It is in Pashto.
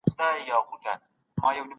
د نوي نصاب له مخې ازموینې څنګه اخیستل کیږي؟